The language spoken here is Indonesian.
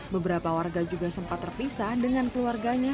beberapa warga juga sempat terpisah dengan keluarganya